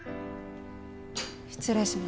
失礼します。